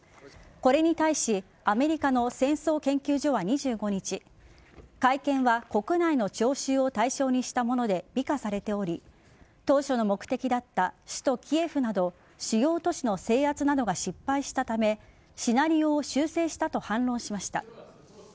これに対しアメリカの戦争研究所は２５日会見は国内の聴衆を対象にしたもので美化されており当初の目的だった首都・キエフなど主要都市の制圧などが失敗したためシナリオを修正したと反論しました。